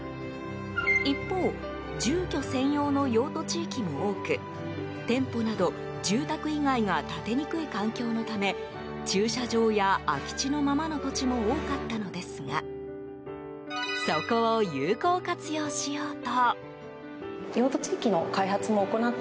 一方、住居専用の用途地域も多く店舗など、住宅以外が建てにくい環境のため駐車場や空き地のままの土地も多かったのですがそこを有効活用しようと。